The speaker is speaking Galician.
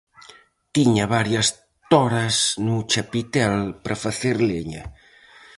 Tiña varias toras no chapitel para facer leña.